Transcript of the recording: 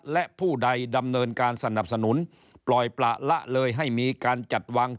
และผู้ใดดำเนินการสนับสนุนปล่อยประละเลยให้มีการจัดวาง